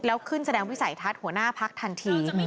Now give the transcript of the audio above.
แล้วขึ้นแสดงวิสัยทัศน์หัวหน้าพักทันที